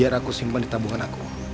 biar aku simpan di tabungan aku